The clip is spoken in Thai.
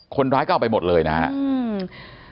คนร้ายก็เอาไปหมดเลยนะครับ